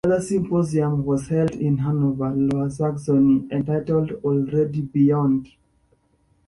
Another symposium was held in Hanover, Lower Saxony entitled Already Beyond?